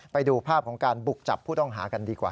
ไปดูภาพของการบุกจับผู้ต้องหากันดีกว่า